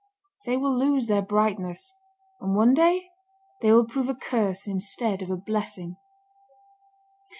They will lose their brightness, and one day they will prove a curse instead of a blessing."